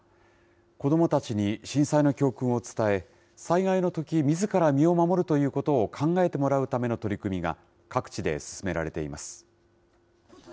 子どもたちに震災の教訓を伝え、災害のとき、みずから身を守るということを考えてもらうための取り組みが各地で進められています。